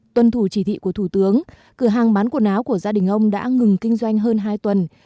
tuân thủ chỉ thị của thủ tướng cửa hàng bán quần áo của gia đình ông đã ngừng kinh doanh hơn hai tuần